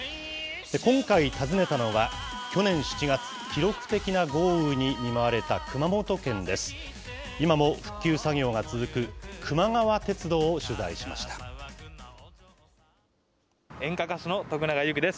今回訪ねたのは、去年７月、記録的な豪雨に見舞われた熊本県です。